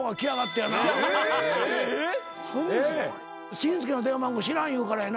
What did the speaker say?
紳助の電話番号知らん言うからやな。